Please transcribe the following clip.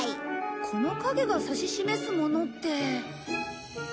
この影が指し示すものって。